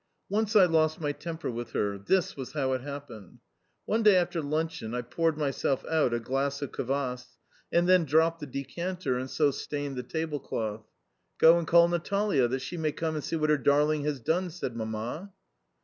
Once I lost my temper with her. This was how it happened. One day after luncheon I poured myself out a glass of kvass, and then dropped the decanter, and so stained the tablecloth. "Go and call Natalia, that she may come and see what her darling has done," said Mamma.